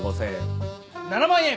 ７万円！